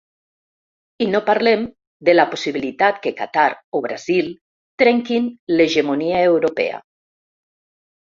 I no parlem de la possibilitat que Qatar o Brasil trenquin l’hegemonia europea.